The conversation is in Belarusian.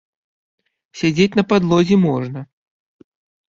Сядзець на падлозе можна.